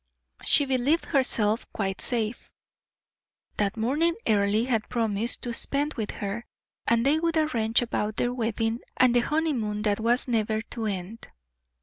She believed herself quite safe; that morning Earle had promised to spend with her, and they would arrange about their wedding and the honeymoon that was never to end.